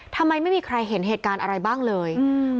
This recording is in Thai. ทำไมไม่มีใครเห็นเหตุการณ์อะไรบ้างเลย